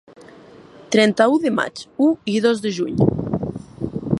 Trenta-u de maig, u i dos de juny.